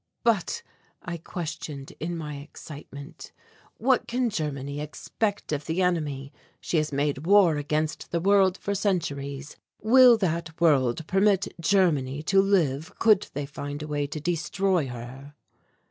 "But," I questioned, in my excitement, "what can Germany expect of the enemy? She has made war against the world for centuries will that world permit Germany to live could they find a way to destroy her?"